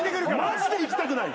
マジで行きたくない。